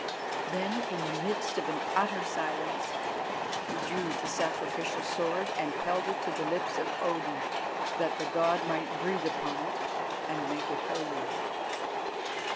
Then, in the midst of an utter silence, he drew the sacrificial sword and held it to the lips of Odin that the god might breathe upon it and make it holy.